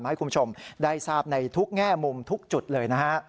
ให้คุณผู้ชมได้ทราบในทุกแง่มุมทุกจุดเลยนะฮะ